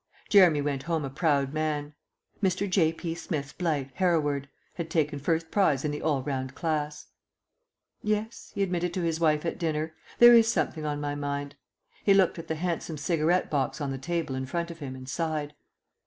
Jeremy went home a proud man. "Mr. J. P. Smith's blight, Hereward," had taken first prize in the All round class. ..... "Yes," he admitted to his wife at dinner, "there is something on my mind." He looked at the handsome cigarette box on the table in front of him and sighed.